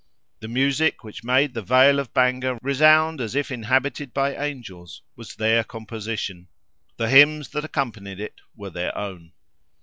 The music which made the vale of Bangor resound as if inhabited by angels, was their composition; the hymns that accompanied it were their own.